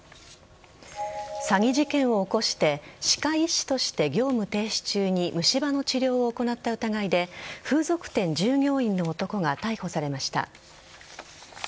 詐欺事件を起こして歯科医師として業務停止中に虫歯の治療を行った疑いで風俗店従業員の男が逮捕されました。